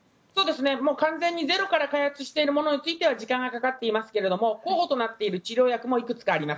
完全にゼロから開発しているものについては時間がかかっていますが候補となっている治療薬もいくつかあります。